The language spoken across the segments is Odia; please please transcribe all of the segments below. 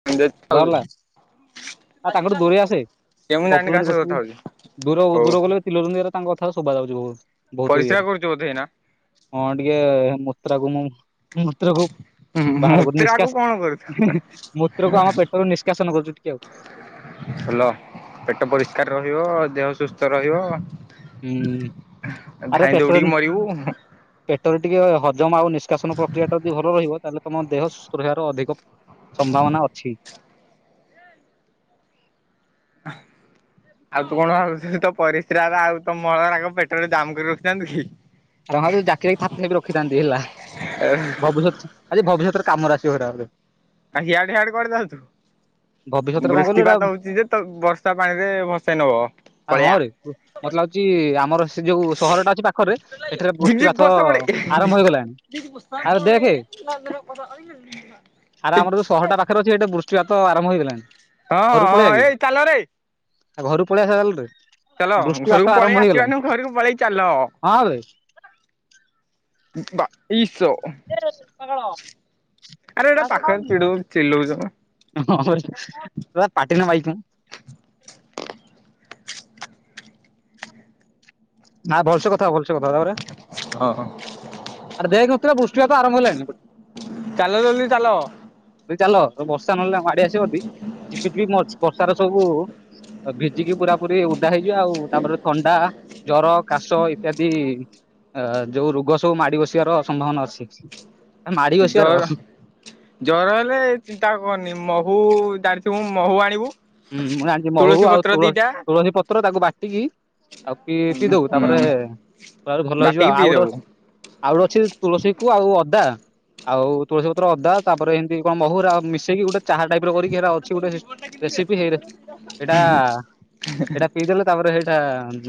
[unintelligible] ଆ ତାଙ୍କଠୁ ଦୂରେଇ ଆସେ ଜାଣିନି କାହା ଗପୁଛନ୍ତି ସହ ବସିକି କଥା ହଉଛି ଦୂରକୁ ହଉ ଦୂରକୁ ଗଲେ ଚିଲଉଛନ୍ତି ଏରା ତାଙ୍କ କଥା ରା ଶୁଭା ଯାଉଛି ବହୁତ ବହୁତ ପରିସ୍ରା ଇଏରେ। କରୁଛୁ ବୋଧେ ଏଇନା? ହଁ ଟିକେ ମୁତ୍ରା କୁ ମୁଁ ମୁତ୍ରକୁ ବାହାର କରୁଛି ମୁତ୍ରା କୁ କଣ କରୁଛୁ ନିଷ୍କାସ ମୂତ୍ରକୁ ଆମ ପେଟରୁ ନିଷ୍କାସନ କରୁଛୁ ଟିକେ ଆଉ। ଭଲ ପେଟ ପରିଷ୍କାର ରହିବ ଦେହ ସୁସ୍ଥ ରହିବ। ହୁଁ ଆରେ ଧାଇଁ ଦୌଡ଼ି ପେଟରେ କି ମରିବୁ। ପେଟରେ ଟିକେ ହଜମ ଆଉ ନିଷ୍କାସନ ପକ୍ରିୟା ଟା ଯଦି ଭଲ ରହିବ ତାଲେ ତମ ଦେହ ସୁସ୍ଥ ରହିବାର ଅଧିକ ସମ୍ଭାବନା ଅଛି। [inaudible] ଆଉ ତୁ କଣ ଭାବୁଚୁ ତୋ ପରିସ୍ରା ରା ଆଉ ତୋ ମଳ ରାକ ପେଟରେ ଜାମ୍ କରି ରଖୁଥାନ୍ତୁ କି? ତାହାଲେ ଯାକି ଯାକି ଥାପି ଥାପି ରଖିଥାନ୍ତି ହେଲା ଭବିଷ୍ୟତ ଖାଲି ଭବିଷ୍ୟତରେ କାମରେ ଆସିବ ସେଇଟା ବୋଧେ। ଆ ହିଆଡ଼େ ହିଆଡେ କୁଆଡେ ଯାଉଚୁ ଭବିଷ୍ୟତରେ କଣ କହିଲୁ ଏଟା ବୃଷ୍ଟିପାତ ହଉଚି ଯେ ତୋ ବର୍ଷା ପାଣି ରେ ଭସେଇ ନବ ଆ ହଁ ପଳେଆ। ରେ ମତେ ଲାଗୁଚି ଆମର ସେ ଯୋଉ ସହରଟା ଅଛି ପାଖରେ ସେଠାରେ ଝିପ୍ ଝିପ୍ ବୃଷ୍ଟିପାତ ବର୍ଷା ପଡେ ଆରମ୍ଭ ହେଇଗଲାଣି। ଆରେ ଦେଖେ [unintelligible] ଆରେ ଆମର ଯଉ ଶହର ଟା ପାଖରେ ଅଛି ସେଠି ବୃଷ୍ଟିପାତ ଆରମ୍ଭ ହେଇଗଲାଣି। ହଁ ଘରୁ ପଳେଇବା ହଁ କି ଏଇ ଚାଲରେ। [unintelligible] ଚାଲ ବୃଷ୍ଟିପାତ ଘରକୁ ଆରମ୍ଭ ପଳେଇ ଆସିବା ହେଇଗଲାଣି ନୁହଁ ଘରକୁ ପଳେଇ ଚାଲ। ହଁ ବେ। ବାଇସୋ। [unintelligible] ପାଗଳ। ଆରେ ଏଇଟା ପାଖରେ ଚିଡଉ ଚେଲଉଚ କଣ? ହଁ [unintelligible] ଆ ଭଲସେ କଥା ହ ଭଲସେ କଥା ହ ତାପରେ ହଁ। ଆରେ ଦେଖ ନଥିଲା ବୃଷ୍ଟିବାତ ଆରମ୍ଭ ହେଲାଣି। ଚାଲ ଜଲ୍ଦୀ ଚାଲ। ବେଗି ଚାଲ ବର୍ଷା ନହେଲେ ମାଡି ଆସିବ ଯଦି ଝିପି ଝିପି ମଝି ବର୍ଷା ର ସବୁ ତ ଭିଜିକି ପୁରା ପୁରୀ ଉଦା ହେଇଯିବା ଆଉ ତାପରେ ଥଣ୍ଡା ଜର କାଶ ଇତ୍ୟାଦି ଆ ଯୋଉ ରୋଗ ସବୁ ମାଡି ବସିବାର ସମ୍ଭାବନା ଅଛି। ମାଡି ଏଇ ବସିବାର ଜର ହୁଁ ଜର ହେଲେ ଚିନ୍ତା କରନି ମହୁ ଜାଣିଥିବୁ ମହୁ ଆଣିବୁ ହୁଁ ମୁଁ ଜାଣିଚି ତୁଳସୀ ମହୁ ଆଉ ପତ୍ର ତୁଳ ଦିଟା ତୁଳସୀ ପତ୍ର ତାକୁ ବାଟିକି ଆଉ ପି ହୁଁ ପିଇ ଦବୁ ତାପରେ ପୁରାପୁରି ଭଲ ହେଇଯିବ ବାଟିକି ଆଉ ଗୋଟେ ପିଇଦବୁ। ଗ ଆଉ ଗୋଟ ଅଛି ତୁଳସୀ କୁ ଆଉ ଅଦା ଆଉ ତୁଳସୀ ପତ୍ର ଅଦା ତାପରେ ଏନ୍ତି କଣ ମହୁ ଏରା ମିଶେଇକି ଗୋଟେ ଚାହା ଟାଇପ୍ ର କରିକି ଅଛି ଗୋଟେ ସିଷ ରେସିପି ହେଇର ଏଇଟା ଏଇଟା ପିଇଦେଲେ ତାପରେ ସେଇଟା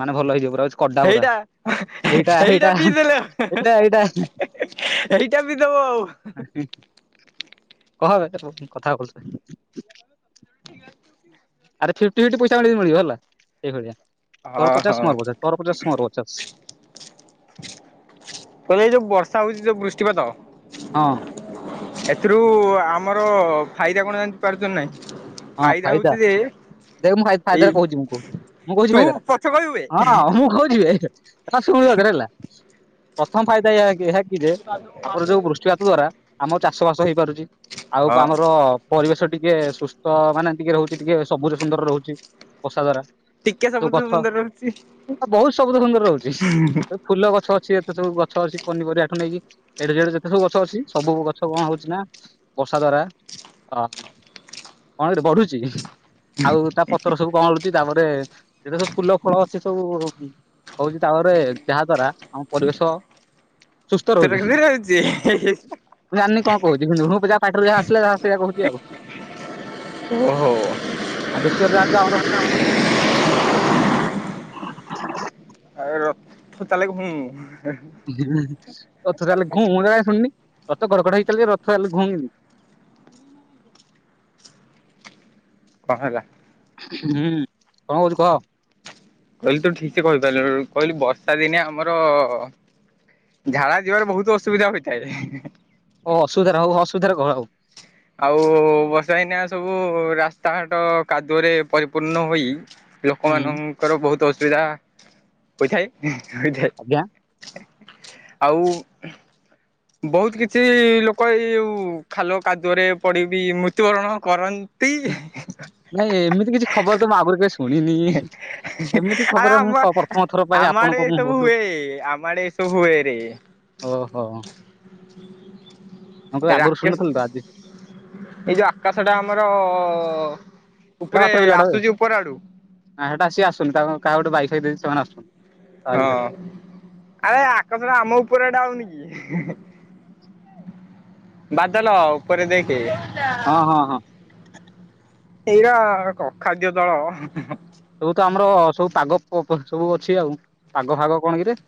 ମାନେ ଭଲ ହେଇଯିବ ପୁରା କଡା ପୁରା ଏଇଟା ଏଇଟା ପି ଦେଲେ ହେଁ ଏଇଟା ଏଇଟା ହେଁ। ଏଇଟା ବି ଦବ ଆଉ। [unintelligible] [inaudible] ଆରେ ଫିପ୍ଟି ଫିପ୍ଟି ପଇସା ମିଳିବ ହେଲା ଏଇଭଳିଆ ତୋର ପଚାଶ ଓହୋ। ମୋର ପଚାଶ ତୋର ପଚାଶ ମୋର ପଚାଶ। ମୁଁ କହିଲି ଏଇ ଯୋଉ ବର୍ଷା ହଉଚି ଯୋଉ ବୃଷ୍ଟିପାତ ହଁ ଏଥିରୁ ଆମର ଫାଇଦା କଣ ଜାଣି ପାରୁଛ ନା ନାଇଁ? ଫାଇଦା ହଉଚି ଯେ ଦେଖ ମୁଁ ଫା ଏଇ ଫାଇଦା କହୁଛି ମୁଁ କ ମୁଁ କୋହୁଛି ତୁ ଶୁଣୁ ବେ। ପଛ କହିବୁ ବେ ପ୍ରଥମ ଫାଇଦା ଏହା କି ଏହା କି ଯେ ଆମର ଯୋଉ ବୃଷ୍ଟିପାତ ଦ୍ଵାରା ଆମର ଚାଷ ବାସ ହେଇପାରୁଚି ଆଉ ପା ହଁ ଆମର ପରିବେଶ ଟିକେ ସୁ ତ ମାନେ ଟିକେ ରହୁଛି ଟିକେ ସବୁଜ ସୁନ୍ଦର ରହୁଛି ବର୍ଷା ଦ୍ୱାରା। ଟିକେ ଯୋଉ ସବୁଜ ଗଛ ସୁନ୍ଦର ରହୁଛି। ଆ ବହୁତ ସବୁଜ ସୁନ୍ଦର ରହୁଚି। ଫୁଲ ଗଛ ଅଛି ଯେତେ ସବୁ ଗଛ ଅଛି ପନିପରିବାଠୁ ନେଇକି ଏଇଠି ସେଠୁ ଯେତେ ସବୁ ଗଛ ଅଛି ସବୁ ଗଛ କଣ ହଉଚଛି ନା ବର୍ଷା ଦ୍ଵାରା ଅ କଣ କିରେ ବଢୁଚି ଆଉ ତା ପତର ସବୁ କଁଳୁଚି ତାପରେ ଯେତେ ସବୁ ଫୁଲ ଫଳ ଅଛି ସବୁ ହଉଚି ତାପରେ ଯାହା ଦ୍ଵାରା ଆମ ପରିବେଶ ସୁସ୍ଥ ରହୁଛି [unintelligible] ମୁଁ ଜାଣିନି କଣ କହୁଛି କିନ୍ତୁ ପୂଜା ପାଟିରୁ ଯା ଆସିଲା ସେଇଆ କହୁଛି ଆଉ। ଓହୋ। ଆଉ ଦ୍ୱତୀୟ ରେ ଜାଣିଚୁ ଅମର [unintelligible] ରଥ ଚାଲେ ଘୁଁ ମୁଁ ତ କାଇଁ ଶୁନି ରଥ କଡକଡ ହେଇ ଚାଲେ ରଥ ଚାଲେ ଘୁଁ କେମିତି? କଁ ହେଲା? ହୁଁ କଣ କହୁଚୁ କୁହ। ମୁଁ କହିଲି ତୁ ଠିକ ସେ କହିପାରିଲୁ ନି କହିଲି ବର୍ଷା ଦିନେ ଆମର ଝାଡା ଯିବାରେ ବହୁତ ଅସୁବିଧା ହୋଇଥାଏ। ଅସୁବିଧା ହଉ ଅସୁବିଧା କଣ ଆଉ। ଆଉ ବର୍ଷା ଦିନିଆ ସବୁ ରାସ୍ତାଘାଟ କାଦୁଅରେ ପରିପୂର୍ଣ୍ଣ ହୋଇ ହୁଁ ଲୋକମାନାନଙ୍କର ବହୁତ ଅସୁବିଧା ହୋଇଥାଏ ହୋଇଥାଏ। ଆଜ୍ଞା। ଆଉ ବହୁତୁ କିଛି ଲୋକ ଏଇ ଯଉ ଖାଲ କାଦୁଅରେ ପଡ଼ିବି ମୃତ୍ୟୁବରଣ କରନ୍ତି। ନାଇଁ ଏମିତି କିଛି ଖବରତ ମୁଁ ଆଗୁରୁ କେବେ ଶୁଣିନି। ଏମିତି ଆ ଖବର ମୁଁ ଆ ପ୍ରଥମ ଥର ପାଇଁ ଆପଣଙ୍କ ଆମଡ଼େ ଏସବୁ ମୁହଁରୁ ହୁଏ ଆମଡ଼େ ଏସବୁ ହୁଏରେ। ଓହୋ। [inaudible] ମୁଁ କବେ ଆଗୁରୁ ରାକେଶ ଶୁଣୁନଥିଲୁତ ଆଜି ଏଇ ଯୋଉ ଆକାଶଟା ଆମର ହେଟା ଉପରେ ବାତ୍ରା ପିଲାଟାବେ ଆସୁଛି ଉପର ଆଡୁ ନାଇଁ ହେଟା ସିଏ ଆସୁନି ତା କାହା ଗୋଟେ ବାଇକ୍ ଫାଇକ୍ ଦେଇଚି ସେମାନେ ଆସୁନି। ହଁ ଆରେ ଆକାସଟା ଆମ ଉପରେ ଏଟା ହୋଉନିକି। ବାଦଲ ଉପରେ ଦେଖେ। ହଁ ହଁ ହଁ। ଏଇରା କଣ କଖାଦ୍ୟ ଦଳ ସବୁତ ଆମର ସବୁ ପାଗ ପ ପ ସବୁ ଅଛି ଆଉ ପାଗ ଫାଗ କଣ କିରେ?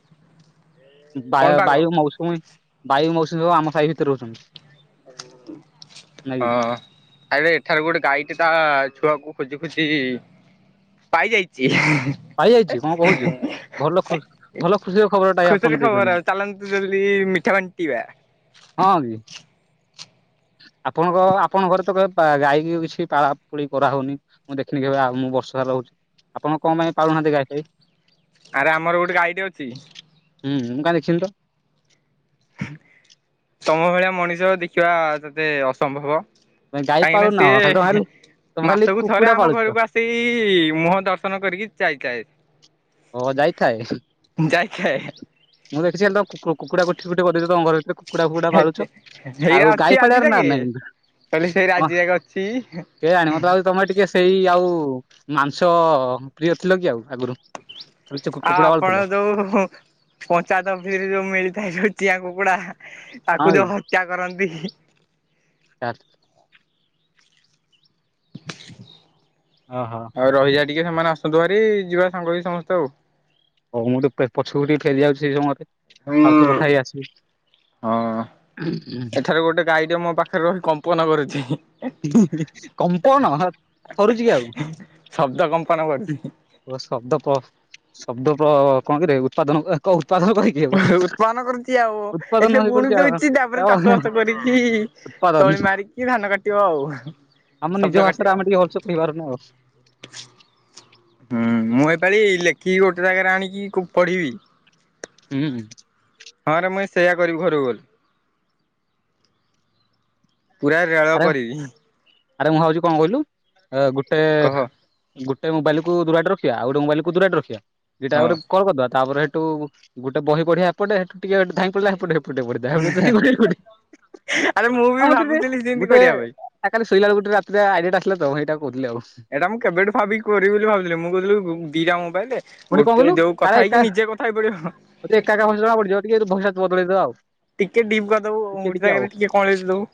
କଣ ବାୟ ପାଗ ବାୟୁ ମୌସୁମୀ ବାୟୁ ମୌସୁମୀ ସବୁ ଆମ ସାହି ଭିତରେ ରହୁଚନ୍ତି। ହଁ। ଆବେ ଏଠାରେ ଗୋଟେ ଗାଈଟେତା ଛୁଆକୁ ଖୋଜି ଖୋଜି ପାଇଯାଇଚି ପାଇଯାଇଛି ହେ କଣ କହୁଛୁ ଭଲ ଖୁ ହେ। ଭଲ ଖୁସିର ଖବରଟା ଏ ଆପଣ ଖୁସିରେ ଦେଇଛନ୍ତି ଖବର ଆଉ ମତେ ଚାଲନ୍ତୁ ଜଲ୍ଦି ମିଠା ବାଣ୍ଟିବା। ହଁ କି। ଆପଣଙ୍କ ଆପଣଙ୍କ ଘରେତ କେବେ ଗାଈକି କିଛି ପାଳା ପୋଳି କରାହଉନି? ମୁଁ ଦେଖିନି କେବେ ଆଉ ମୁଁ ବର୍ଷ ସାରା ରହୁଚି ଆପଣ କଣ ପାଇଁ ପାଳୁନାହାନ୍ତି ଗାଈ ଫାଇ? ଆରେ ଆମର ଗୋଟେ ଗାଈଟେ ଅଛି। ହୁଁ ମୁଁ କାଇଁ ଦେଖିନିତ। ତମ ଭଳିଆ ମଣିଷ ଦେଖିବା ତତେ ଅସମ୍ଭବ। ତମେ ଗାଈ କାହିଁକିନା ପାଳୁନ ଖାଲି ତମେ ସିଏ ଖାଲି ତମେ ଖାଲି ମାସକୁ ଥରେ କୁକୁଡା ଆମ ପାଳୁଛ ଘରକୁ ଆସି ସେଇ ମୁହଁ ଦର୍ଶନ କରିକି ଚାଇ ଜାଏ। ଓହୋ ଯାଇଥାଏ। ଯାଇଥାଏ ମୁଁ ଦେଖିଚି ଖାଲିତ କୁକୁ କୁକୁ କୁକୁଡ଼ା କଠି ଗୋଟେ କରିଦେଇଚତ ଘର ଭିତରେ। କୁକୁଡ଼ା ଫୁକୁଡ଼ା ପାଳୁଛ ହେଇରା ଆଉ ଅଛି ଗାଈ ଆଜି ପାଳିବାର ନା ଯାକେ ନାଇଁ [unintelligible] କହିଲେ ସେଇରା ଆଜିଆଙ୍କ ଅଛି। କେଜାଣି ମତେ ଲାଗୁଛି ତମେ ଟିକେ ସେଇ ଆଉ ମାଂସ ପ୍ରିୟ ଥିଲକି ଆଉ ଆଗରୁ? ଖାଲି ଚୁ ଆଉ କୁକୁଡ଼ା ଆପଣ ପାଳୁଥିଲ ଯୋଉ ପଞ୍ଚାୟତ ଅଫିସ୍ ହେଯୋଉ ମିଳିଥାଏ ସବୁ ଚିଆଁ କୁକୁଡ଼ା ହଁ ତାକୁ କି ଯୋଉ ହତ୍ୟା କରନ୍ତି। [unintelligible] ଓହୋ ଆଉ ରହିଯା ଟିକେ ସେମାନେ ଆସନ୍ତୁ ଭାରି ଯିବା ସାଙ୍ଗ ହେଇକି ସମସ୍ତେ ଆଉ। ହଉ ମୁଁତ ପେ ପଛକୁ ଟିକେ ଫେରି ଯାଉଚି ସେ ଯୋଉ ମୋତେ ମୁଁ ଔଷଧ ଖାଇ ଆସିବି ହୁଁ। କିଏ ଗୋଟେ ଗାଈଟେ ମୋପା ପାଖରେ ରହି କମ୍ପନ କରୁଛି। ହୁ ହୁ କମ୍ପନ ଥରୁଚିକିକି ଆଉ। ଶବ୍ଦ କମ୍ପନ କରୁଛି। ଓ ଶବ୍ଦ କ ଶବ୍ଦ କ କଣକିରେ ଉତ୍ପାଦନ [unintelligible] ଉତ୍ପାଦନ କରି ଆଉ ଉତ୍ପାଦନ କରୁଚି ଆଉ ଏସେ ହେଇ କରୁଛି ବୁଣି ଦଉଚି ତାପରେ ଆଉ ଚାଷ ବାସ କରିକି ଉତ୍ପାଦନ ତଳି ମାରିକି କି ଧାନ କାଟିବ ଆଉ। ଆମ ଶବ୍ଦ ନିଜ କାଟିବ। ଭାଷାରେ ଆମେ ଟିକେ ଗପସପ ହେଇପାରୁନୁ ଆଉ। [inaudible] ହୁଁ ମୁଁ ଏଇପାଳି ଲେଖିକି ଗୋଟେ ଜାଗାରେ ଆଣିକି କ ପଢିବି। ହୁଁ। ହଁ ରେ ମୁଇଁ ସେୟା କରିବି ଘରକୁ ଗଲେ। ପୁରା ରେଳ ଆରେ କରିବି। ଆରେ ମୁଁ ଭାବୁଛି କଣ କହିଲୁ ଅ ଗୋଟେ କହ ଗୋଟେ ମୋବାଇଲକୁ ଦୁରାଟରେ ରଖିବା ଆଉ ଗୋଟ ମୋବାଇଲ କୁ ଦୁରାଟରେ ରଖିବା ଦିଟା ହଁ ଆକରେ କଲ୍ କରିଦବା ତାପରେ ହେଇଠୁ ଗୋଟେ ବହି ପଢିଆ ଏପଟେ ହେଠୁ ଟିକେ ଧାଇଁ ପଳେଇଲା ହେପଟେ ହେ ପଟେ ପଢି ଦବା ଆରେ ମୁଁ ବି [unintelligible] ଭାବୁଥିଲି ସେମିତି କରିବା ପାଇଁ। ଆ କାଲି ଶୋଇଲା ବେଳକୁ ଗୋଟେ ରାତିରେ ଆଡିଆଟା ଆସିଲା ତ ମୁଁ ସେଇଟା କହୁଥିଲି ଆଉ। ଏଇଟା ମୁଁ କେବେଠୁ ଭାବିକି କରିବି ବୋଲି ଭାବୁଥିଲି ମୁଁ କହୁଥିଲି ଦିଟା ମୋବାଇଲରେ ପୁଣି କଣ ଗୋଟେ ଯୋଉ କଥା ହେଇକି ନିଜେ କ ଥା ହେଇ ପଡ଼ିବ ତୋତେ ଏକା ଏକା ଭଲସେ ଜଣା ପଡିଯିବ ଟିକେ ଏ ଯୋଉ [unintelligible] ବଦଳେଇଦ ଆଉ। ଟିକେ ଡିପ କରିଦବୁ ଆଉ ଟିକେ ଗୋଟେ ଜାଗାରେ ଟିକେ କଅଁଳେଇକି ଦବୁ।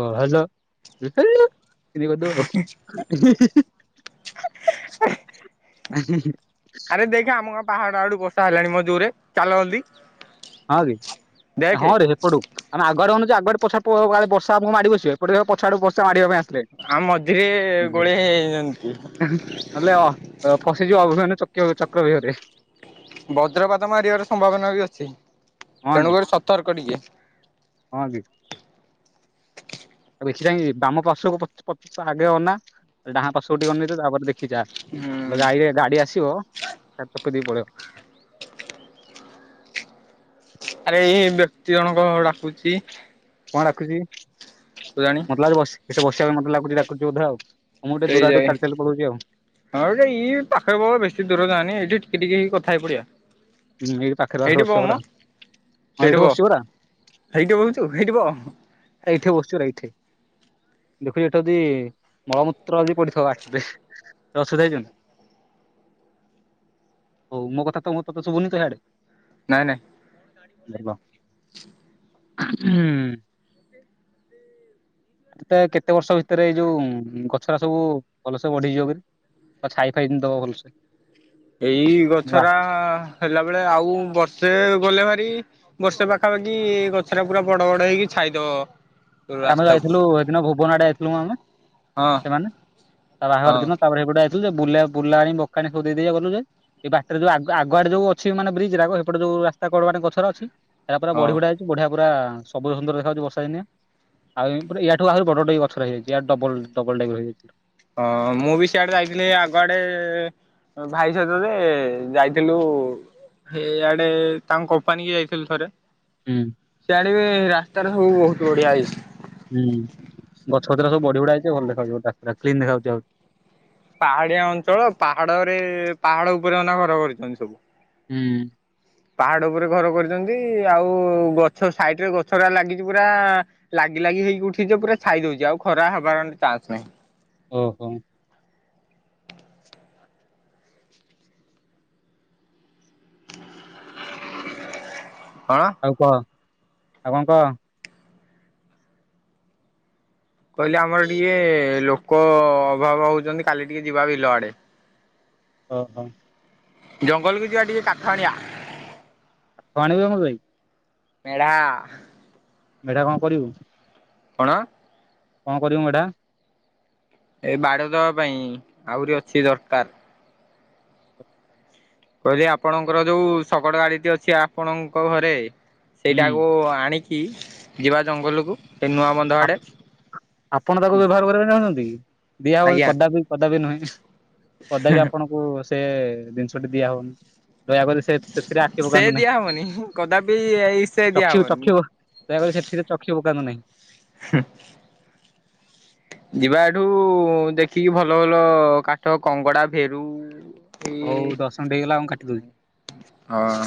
ଓ ହଜ [unintelligible] ଏମତି କରିଦବୁ ଆଉ। ଆଜ ଆରେ ଦେଖେ ଆମ ଗାଁ ପାହାଡା ଆଡୁ ବର୍ଷା ହେଲାଣି ମ ଜୋର୍ ରେ ଚାଲ ଜଲଦି। ହଁ ବେ ଆ ଦେଖେ। ହଁ ରେ ହେପଟୁ। ଆମେ ଆଗ ଆଡୁ ଅନଉଚୁ ଯେ ଆଗ ଆଡୁ ପର୍ଷା ପ କାଳେ ବର୍ଷା ଆମକୁ ମାଡି ବସିବେ ଏପଟେ ଦେଖିଲାବେଳକୁ ପଛ ଆଡୁ ବର୍ଷା ମାଡ଼ିବା ପାଇଁ ଆସ ଆ ମଝିରେ ଗୋଳେଇ ହୋଇଯାଇଛନ୍ତି ନହଲେ ଅ ଅ ଫସିଯିବ ଅଭିମନ୍ୟୁ ଚକିବିହ ଚକ୍ରବ୍ୟୁହରେ। ବଜ୍ରପାତ ମାରିବାର ସମ୍ଭାବନା ବି ଅଛି ହଁ କି ତେଣୁକରି ସତର୍କ ଟିକେ। ହଁ କି? ତାକୁ ଦେଖି ଚାହିଁକି ବାମ ପାର୍ଶ୍ୱକୁ ପଛ ପଛକୁ ଆଗେ ଅନା ଡାହାଣ ପାର୍ଶ୍ୱ କୁ ଟିକେ ଅନେଇ ଦେ ତାପରେ ଦେ ଦେଖିକି ଯା ନ ହୁଁ ହେଲେ ଗାଡି ଗାଡି ଆସିବ ଚାପ ଚପିଦେଇକି ପଳେଇବ। ଆରେ ଏଇ ବ୍ୟକ୍ତି ଜଣକ ଡାକୁଛି କଣ ଡାକୁଚି? କେଜାଣି ମତେ ଲାଗୁଚି ବସ୍ ସେଠି ବସିବା ପାଇଁ ମତେ ଲାଗୁଛି ଡାକୁଚି ବୋଧେ ଆଉ ମୁଁ ଟିକେ ସେଇ ଦୂର ଯାଇ ଆଟକୁ ଚାଲି ଚାଲି ପଳଉଚି ଆଉ। ହଁ ଯେ ଇ ପାଖରେ ବ ବେଶୀ ଦୂର ଯାଆନି ଏଇଠି ଟିକେ ଟିକେ ହେଇ କଥା ହେଇ ପଡ଼ିଆ। ହୁଁ ଏଇ ପାଖରେ ପାଖରେ ବସିବା ପରା, ହଁ ଏଇଠି ବସଚି ପରା। ହେଇଟି ବଉଚୁ ହେଇଟି ବ। ଏଇଠେ ବସୁଚି ପରା ଏଇଠେ। ଦେଖୁଚି ଏଠି ଯଦି ମଳମୂତ୍ର ଯଦି ପଡିଥିବ ଆଗରେ ଅସୁବିଧା ହେଇଯିବନି? ହଉ ମୋ କଥା ତ ମୁଁ ତୋତେ ଶୁଭନି ତ ହିଆଡେ? ନାଇଁ ନାଇଁ। [unintelligible] ହ ହୁଁ। କେତେ କେତେ ବର୍ଷ ଭିତରେ ଏଇ ଯୋଉ ଉଁ ଗଛଟା ସବୁ ଭଲସେ ବଢ଼ି ଯିବ କହିଲୁ? ଆଉ ଛାଇ ଫାଇ ଯେମିତି ଦବ ଭଲସେ। ଏଇ ବା ଗଛରା ହେଲା ବେଳେ ଆଉ ବର୍ଷେ ଗଲେ ଭାରି ବର୍ଷେ ପାଖାପାଖି ଗଛଟା ପୁରା ବଡ ବଡ ହେଇକି ଛାଇ ଦବ। ଆମେ ଯାଇଥିଲୁ ହେଇଦିନ ଭୁବନ ଆଡେ ଯାଇଥିଲୁ ମ ଆମେ। ହଁ ସେମାନେ ତା ବାହାଘର ହଁ ଦିନ ତାପରେ ହେପଟେ ଆଇ ଥିଲୁ ଯେ ବୁଲା ବୁଲାଣି ବକାଣି ସବୁ ଦେଇ ଦେଇକା ଗଲୁ ଯେ ଏଇ ବାଟରେ ଯୋଉ ଆଗ ଆଗ ଆଡେ ଯୋଉ ଅଛି ମାନେ ବ୍ରିଜ ହେରାକ ସେପଟ ଯୋଉ ରାସ୍ତାକଡ ମାନଙ୍କରେ ଗଛରା ଅଛି ଏ ପୁର ହଁ। ବଢିବଢ଼ିଆଇଛି ବଢିଆ ପୁରା ସବୁଜ ସୁନ୍ଦର ଦେଖା ଯାଉଛି ବର୍ଷାଦିନିଆ। ଆଉ ଠୁ ଆହୁରି ବଡ ବଡ ଗଛ ହେଇଯାଇଛି ଇଆଠୁ ଡବଲ ଡବଲ ଟାଇପର ହେଇଯାଇଛି। ହଁ ମୁଁ ବି ସିଆଡେ ଯାଇଥିଲି ଆଗଆଡେ ଭାଇ ସହିତ ଯେ ଯାଇଥିଲୁ। ସେ ଇଆଡେ ତାଙ୍କ କମ୍ପାନୀ କି ଯାଇଥିଲୁ ଥରେ। ହୁଁ। ସିଆଡେ ରାସ୍ତାରେ ସବୁ ବହୁତ ବଢିଆ ହେଇଛି। ହୁ ଗଛପତ୍ର ସବୁ ବଢି ବଢ଼ି ଆଇଛି ଭଲ ଦେଖାଯାଉଥିବ କ୍ଲିନ ଦେଖାଯାଉଛି ଆଉ ପାହାଡିଆ ଅଞ୍ଚଳ ପାହାଡରେ ପାହାଡ ଉପରେ ଅନା ଘର କରିଛନ୍ତି ସବୁ ହୁଁ। ପାହାଡ ଉପରେ ଘର କରିଛନ୍ତି ଆଉ ଗଛ ସାଇଟରେ ଗଛ ହେରିକା ଲାଗିଛି ପୁରା ଲାଗି ଲାଗି ହେଇକି ଉଠିଯେ ପୁରା ଛାଇ ଦଉଛି ଆଉ ଖରା ହବାର ଚାନ୍ସ ନାହିଁ। ଓହୋ। କଣ? ଆଉ କହ ଆଉ କଣ କହ? କହିଲି ଆମର ଟିକେ ଲୋକ ଅଭାବ ହଉଛନ୍ତି କାଲି ଟିକେ ଯିବା ବିଲ ଆଡେ ଓହୋ। ଜଙ୍ଗଲକୁ ଯିବା ଟିକେ କାଠ ଆଣିଆ। କଣ ଆଣିବୁ ମୋ ପାଇଁ ମେଢା। ମେଢା କଣ କରିବୁ? କଣ? କଣ କରିବୁ ମେଢ଼ା? ଏ ବାଡ଼ ଦେବା ପାଇଁ ଆହୁରି ଅଛି ଦରକାର। କହିଲି ଆପଣଙ୍କର ଯୋଉ ଶଗଡ଼ ଗାଡିଟି ଅଛି ଆପଣଙ୍କ ଘରେ ହୁଁ ସେଇଟାକୁ ଆଣିକି କି ଯିବା ଜଙ୍ଗଲକୁ ଏ ନୂଆ ବନ୍ଧ ଆଡ଼େ ଆପଣ ତାକୁ ବ୍ୟବହାର କରିବା ଚାହୁଁଛନ୍ତି କି? ଦିଆ ହବନି ଆଜ୍ଞା କଦାପି କଦାପି ନୁହେଁ କଦାପି ଆପଣଙ୍କୁ ସେ ଜିନିଷଟି ଦିଆ ହବନି ଦୟାକରି ସେ ସେ ସେଥିରେ ଆଖି ସେ ପକାନ୍ତୁ ନାହିଁ ଦିଆହବନି କଦାପି ଏଇ ସେ ଚକ୍ଷୁ ଦିଆହବନି। ଚକ୍ଷୁ ଦୟାକରି ସେଥିରେ ଚକ୍ଷୁ ପକାନ୍ତୁ ନାହିଁ। ଯିବା ଏଠୁ ଦେଖିକି ଭଲ ଭଲ କାଠ କଙ୍ଗଡା ଭେରୁ ଏଇ ହଉ ଦଶମିନିଟ୍ ହେଇଗଲା ମୁଁ କାଟିଦଉଛି। ହଁ।